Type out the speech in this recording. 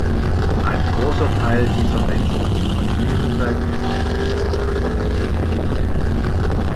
Ein großer Teil dieser Menschen hat Schwierigkeiten, sich auf der Straße fortzubewegen.